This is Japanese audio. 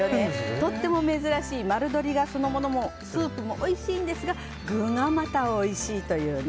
とっても珍しい丸鶏そのもののスープもおいしいんですが具がまたおいしいというね。